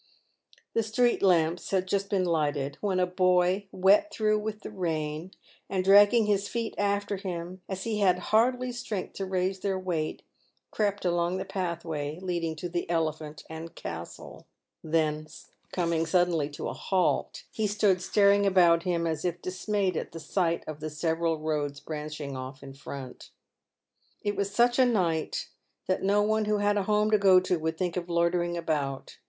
The street lamps had just been lighted when a boy wet through with the rain, and dragging his feet after him as if he had hardly strength to raise their weight, crept along the pathway leading to the Elephant and Castle. Then coming suddenly to a halt, he stood PAYED WITH GOLD. 6Q staring about him as if dismayed at the sight of the several roads branching off in front. It was such a night that no one who had a home to go to would think of loitering about.